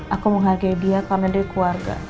aku menghargai dia karena dari keluarga